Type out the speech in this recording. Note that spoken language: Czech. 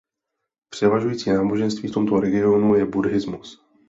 Převažující náboženství v tomto regionu je buddhismus.